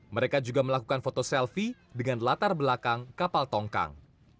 mereka juga melakukan foto selfie dengan latar belakang kapal tongkang